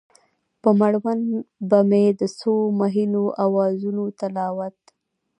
په مړوند کې به مې د څو مهینو اوازونو تلاوت،